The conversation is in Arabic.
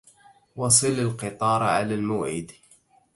وصل القطار على الموعد.